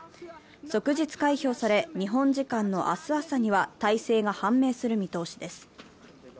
即日開票され日本時間の明日朝には大勢が判明する見通しです。